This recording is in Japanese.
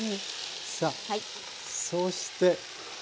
さあそして時間。